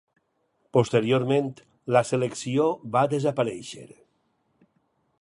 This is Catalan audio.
Posteriorment, la selecció va desaparéixer.